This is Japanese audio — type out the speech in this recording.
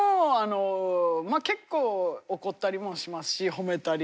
結構怒ったりもしますし褒めたり。